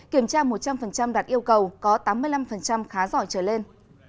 kiểm tra một trăm linh đạt yêu cầu có tám mươi năm khá giỏi trở lên